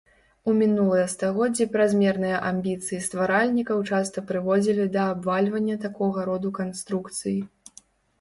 У мінулыя стагоддзі празмерныя амбіцыі стваральнікаў часта прыводзілі да абвальвання такога роду канструкцый.